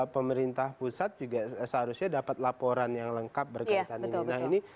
pemerintah pusat juga seharusnya dapat laporan yang lengkap berkaitan ini